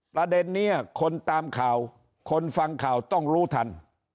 ประเด็นนี้คนตามข่าวคนฟังข่าวต้องรู้ทัน